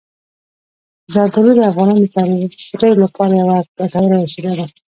زردالو د افغانانو د تفریح لپاره یوه ګټوره وسیله ده.